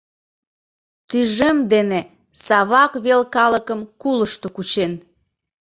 Тӱжем дене Савак вел калыкым кулышто кучен.